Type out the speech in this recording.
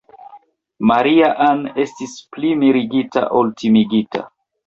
Maria-Ann estis pli mirigita ol timigita.